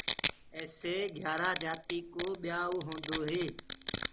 ايسي گھيآرآ جآتيٚ ڪو ٻيآئو هوندو هي۔